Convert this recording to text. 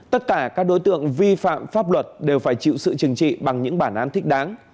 tất cả các đối tượng vi phạm pháp luật đều phải chịu sự trừng trị bằng những bản án thích đáng